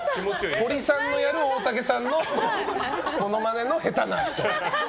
ホリさんのやる大竹さんのモノマネの下手な人。